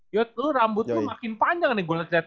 yud lu rambut lu makin panjang nih gue liat di rumah nih